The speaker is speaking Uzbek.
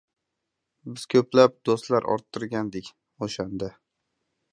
Biz ko‘plab do‘stlar orttirgandik o‘shanda!..